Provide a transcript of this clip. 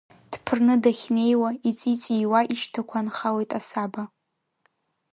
Дԥырны дахьнеиуа, иҵәи-ҵәиуа ишьҭақәа анхалоит асаба.